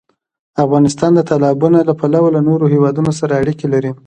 افغانستان د تالابونه له پلوه له نورو هېوادونو سره اړیکې لري.